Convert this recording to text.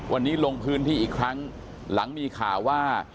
วันนี้ลงพื้นที่อีกครั้งหลังมีข่าวว่า